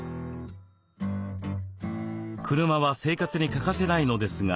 車は生活に欠かせないのですが。